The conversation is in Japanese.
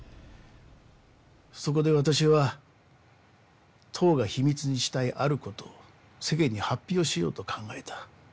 そこで私は党が秘密にしたいある事を世間に発表しようと考えた。